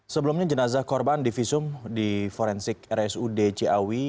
sebelumnya jenazah korban divisum di forensik rsud ciawi